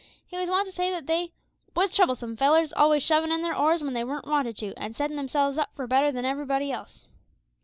He was wont to say that they "was troublesome fellers, always shovin' in their oars when they weren't wanted to, an' settin' themselves up for better than everybody else."